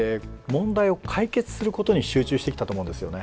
問題を解決することに集中してきたと思うんですよね。